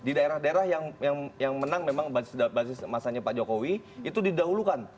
di daerah daerah yang menang memang basis masanya pak jokowi itu didahulukan